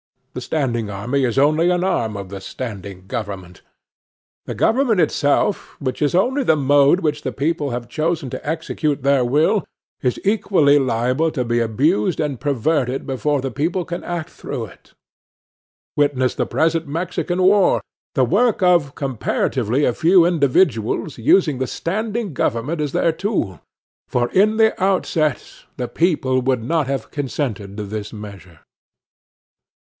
The standing army is only an arm of the standing government. The government itself, which is only the mode which the people have chosen to execute their will, is equally liable to be abused and perverted before the people can act through it. Witness the present Mexican war, the work of comparatively a few individuals using the standing government as their tool; for, in the outset, the people would not have consented to this measure.